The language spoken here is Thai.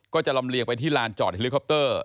ก็จะลำเลียงไปที่ลานจอดเฮลิคอปเตอร์